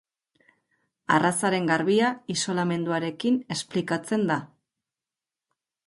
Arrazaren garbia isolamenduarekin esplikatzen da.